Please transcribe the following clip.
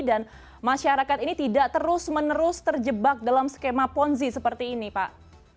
dan masyarakat ini tidak terus menerus terjebak dalam skema ponzi seperti ini pak